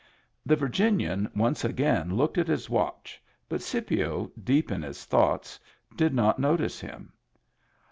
The Virginian once again looked at his watch, but Scipio, deep in his thoughts, did not notice him.